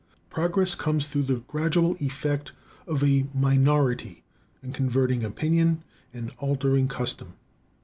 Progress comes through the gradual effect of a minority in converting opinion and altering custom.